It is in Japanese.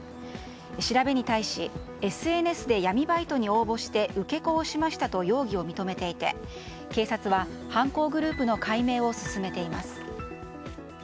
調べに対し、ＳＮＳで闇バイトに応募して受け子をしましたと容疑を認めていて警察は犯行グループの解明を進めています。